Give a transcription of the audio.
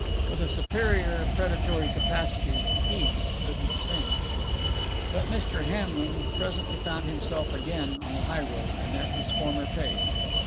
With a superior predatory capacity, HE couldn't sing. But Mr. Hamlin presently found himself again on the highroad, and at his former pace.